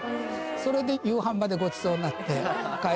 それで夕飯までごちそうになって帰った。